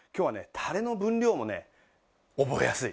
たれの分量もね覚えやすい。